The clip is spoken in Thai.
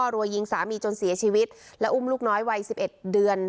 รัวยิงสามีจนเสียชีวิตและอุ้มลูกน้อยวัย๑๑เดือน